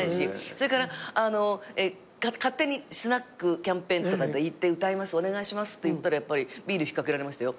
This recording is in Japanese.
それから勝手にスナックキャンペーンとか行って歌いますお願いしますっていったらやっぱりビール引っ掛けられましたよ。